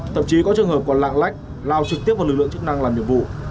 thậm chí có trường hợp còn lạng lách lao trực tiếp vào lực lượng chức năng làm nhiệm vụ